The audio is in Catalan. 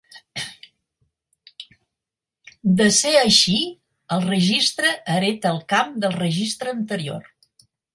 De ser així, el registre hereta el camp del registre anterior.